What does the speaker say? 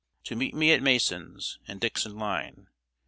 To Meet Me at Masons and dixon line.